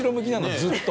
ずっと。